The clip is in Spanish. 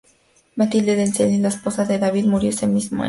Matilde de Senlis, la esposa de David, murió ese mismo año.